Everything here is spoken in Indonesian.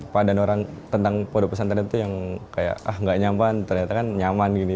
padan orang tentang podok pesantren itu yang kayak ah nggak nyaman ternyata kan nyaman gini